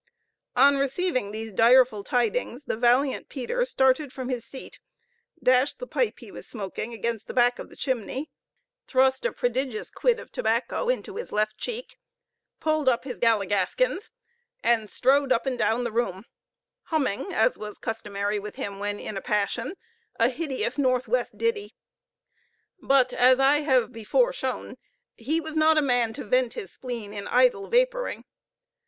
On receiving these direful tidings, the valiant Peter started from his seat dashed the pipe he was smoking against the back of the chimney thrust a prodigious quid of tobacco into his left cheek pulled up his galligaskins, and strode up and down the room, humming, as was customary with him when in a passion, a hideous north west ditty. But, as I have before shown, he was not a man to vent his spleen in idle vaporing.